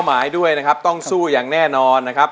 หมายด้วยนะครับต้องสู้อย่างแน่นอนนะครับ